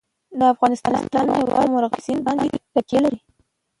د افغانستان هیواد په مورغاب سیند باندې تکیه لري.